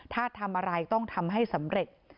ถ้าทำอะไรต้องทำให้สำเร็จ